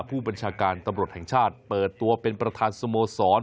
ผู้บัญชาการตำรวจแห่งชาติเปิดตัวเป็นประธานสโมสร